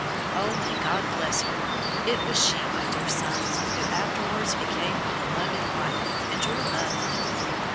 Oh! may God bless her! It was she, my dear sons, who afterwards became my beloved wife, and your mother.